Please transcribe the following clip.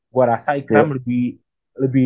gue rasa ikram lebih